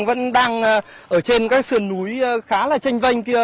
vẫn đang ở trên các sườn núi khá là tranh vanh kia